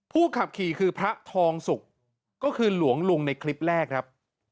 ขับขี่คือพระทองสุกก็คือหลวงลุงในคลิปแรกครับ